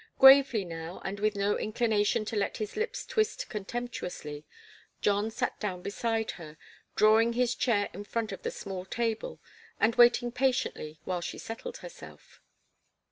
Gravely, now, and with no inclination to let his lips twist contemptuously, John sat down beside her, drawing his chair in front of the small table, and waiting patiently while she settled herself.